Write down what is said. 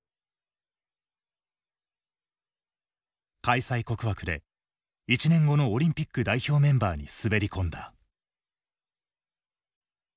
開催国枠で１年後のオリンピック代表メンバーに滑り込んだ。